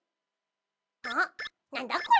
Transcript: ああなんだこれ？